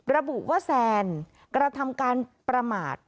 ระบุว่าแซนกระทำการประมาท